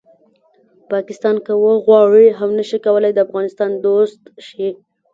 پاکستان که وغواړي هم نه شي کولی د افغانستان دوست شي